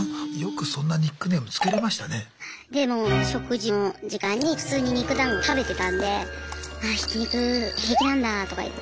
でも食事の時間に普通に肉だんご食べてたんで「ああひき肉平気なんだ」とか言って。